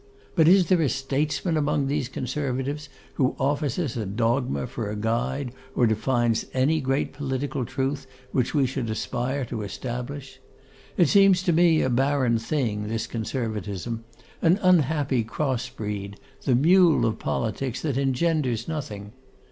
But is there a statesman among these Conservatives who offers us a dogma for a guide, or defines any great political truth which we should aspire to establish? It seems to me a barren thing, this Conservatism, an unhappy cross breed; the mule of politics that engenders nothing.